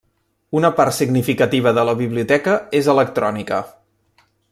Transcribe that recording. Una part significativa de la biblioteca és electrònica.